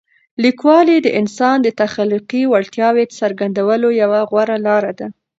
لیکوالی د انسان د تخلیقي وړتیاوو څرګندولو یوه غوره لاره ده.